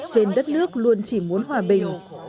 trên đất nước luôn chỉ muốn hòa bình